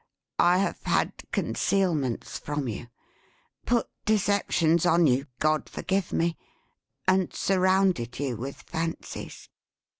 I have had concealments from you, put deceptions on you, God forgive me! and surrounded you with fancies."